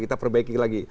kita perbaiki lagi